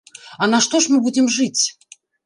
А на што ж мы будзем жыць?